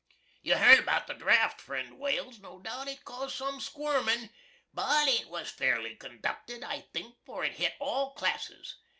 You hearn about the draft, friend Wales, no doubt. It caused sum squirmin', but it was fairly conducted, I think, for it hit all classes.